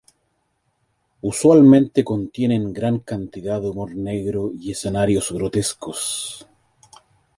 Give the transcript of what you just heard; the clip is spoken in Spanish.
Usualmente contienen gran cantidad de humor negro y escenarios grotescos.